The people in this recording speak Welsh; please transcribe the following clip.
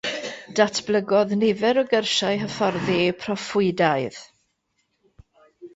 Datblygodd nifer o gyrsiau hyfforddi proffwydaidd.